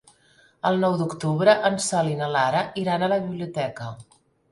El nou d'octubre en Sol i na Lara iran a la biblioteca.